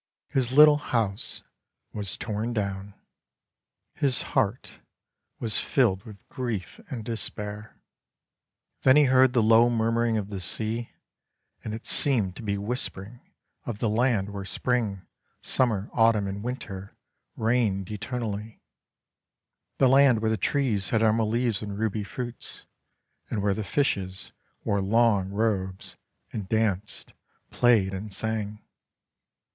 His little house was torn down. His heart was filled with grief and despair. Then he heard the low murmuring of the sea, and it seemed to be whispering of the land where Spring, Summer, Autumn, and Winter reigned eternally, the land where the trees had emerald leaves and ruby fruits, and where the fishes wore long robes, and danced, played, and sang.